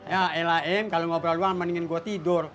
ya elahin kalo ngobrol luar mendingan gua tidur